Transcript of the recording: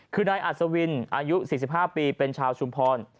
คือนายอัศวินอายุ๔๕ปีเป็นชาวชุมพร